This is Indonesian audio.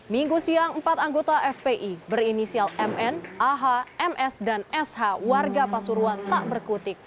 minggu siang empat anggota fpi berinisial mn ah ms dan sh warga pasuruan tak berkutik